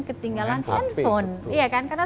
ketinggalan handphone iya kan karena